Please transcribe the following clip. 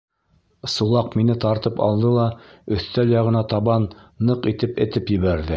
Сулаҡ мине тартып алды ла өҫтәл яғына табан ныҡ итеп этеп ебәрҙе.